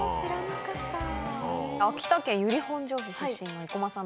秋田県由利本荘市出身の生駒さん